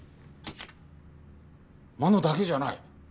真野だけじゃない。